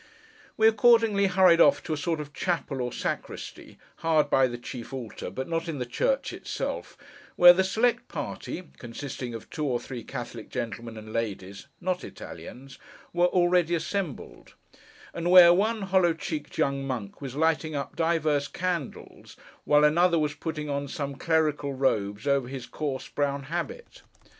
We accordingly hurried off to a sort of chapel, or sacristy, hard by the chief altar, but not in the church itself, where the select party, consisting of two or three Catholic gentlemen and ladies (not Italians), were already assembled: and where one hollow cheeked young monk was lighting up divers candles, while another was putting on some clerical robes over his coarse brown habit.